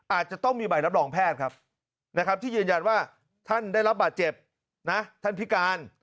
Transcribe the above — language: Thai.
อาจจะต้องมีใบรับรองแพทย์ครับนะครับที่ยืนยันว่าท่านได้รับบาดเจ็บนะท่านพิการ